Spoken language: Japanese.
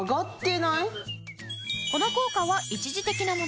この効果は一時的なもの。